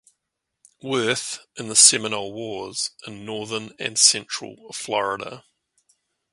Worth in the Seminole Wars in northern and central Florida.